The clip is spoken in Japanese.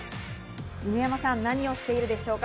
犬山さん、何しているでしょうか。